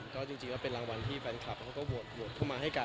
ก็เป็นรางวัลที่แฟนคลับเขาก็บดเข้ามาให้กัน